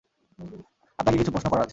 আপনাকে কিছু প্রশ্ন করার আছে।